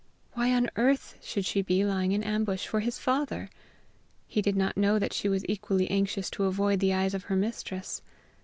Why on earth should she be lying in ambush for his father? He did not know that she was equally anxious to avoid the eyes of her mistress.